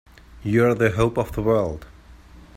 You're the hope of the world!